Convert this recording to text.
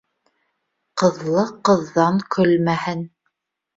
Ҡыҙлы ҡыҙҙан көлмәһен.